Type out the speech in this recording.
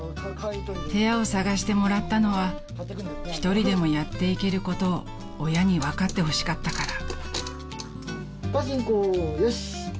［部屋を探してもらったのは１人でもやっていけることを親に分かってほしかったから］